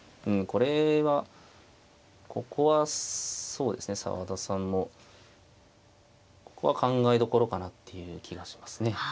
これはここはそうですね澤田さんもここは考えどころかなっていう気がしますね。